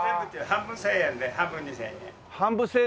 半分１０００円で半分２０００円？